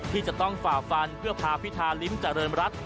ที่จะต้องฝ่าฟันเพื่อพาพิทาริมจริรัตน์รัฐ